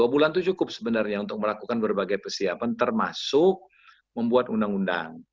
dua bulan itu cukup sebenarnya untuk melakukan berbagai persiapan termasuk membuat undang undang